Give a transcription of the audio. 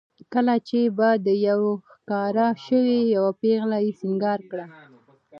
کله چې به دېو ښکاره شو یوه پېغله یې سینګار کړه.